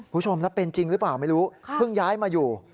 คุณผู้ชมแล้วเป็นจริงหรือเปล่าไม่รู้เพิ่งย้ายมาอยู่